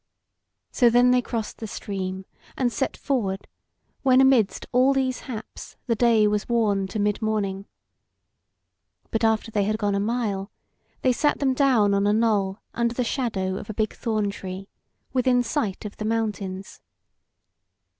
So then they crossed the stream, and set forward, when amidst all these haps the day was worn to midmorning. But after they had gone a mile, they sat them down on a knoll under the shadow of a big thorn tree, within sight of the mountains.